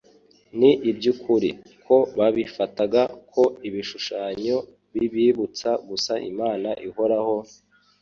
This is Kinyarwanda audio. Ni iby’ukuri ko babifataga ko ibishushanyo bibibutsa gusa Imana ihoraho,